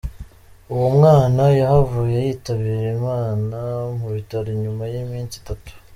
Uwo mwana yahavuye yitabira Imana mu bitaro inyuma y'iminsi itatu.